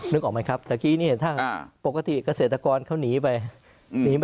นึกออกเลยไหมครับตอนนี้ใช่นะปกติเกษตรกรเขาหนีไป